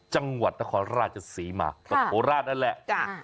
จังหวัดนครราชศรีมาก็โคราชนั่นแหละ